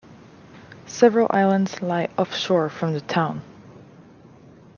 Several islands lie offshore from the town.